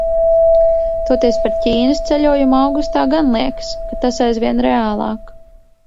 Toties par Ķīnas ceļojumu augustā gan liekas, ka tas aizvien reālāk.